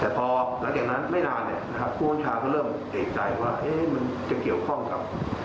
แต่พอหลังจากนั้นไม่นานผู้ว่างชาติก็เริ่มใกล้ใจว่ามันเกี่ยวข้องกับ